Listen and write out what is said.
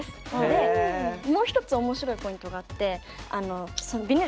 でもう一つ面白いポイントがあってへえ！